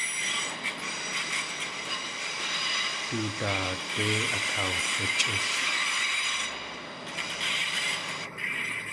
Du daadé akawlichʼísh.